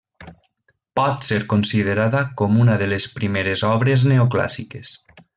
Pot ser considerada com una de les primeres obres neoclàssiques.